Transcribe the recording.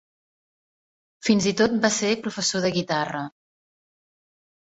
Fins i tot va ser professor de guitarra.